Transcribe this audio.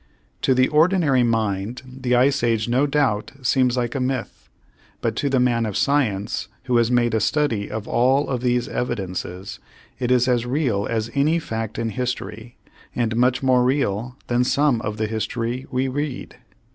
To the ordinary mind the ice age no doubt seems like a myth, but to the man of science who has made a study of all of these evidences it is as real as any fact in history, and much more real than some of the history we read.